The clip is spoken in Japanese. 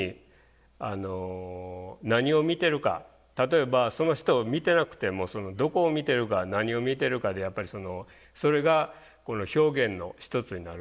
例えばその人を見てなくてもどこを見てるか何を見てるかでやっぱりそのそれが表現の一つになるんで。